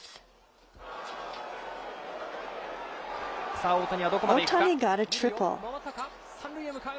さあ、大谷はどこまで行くか。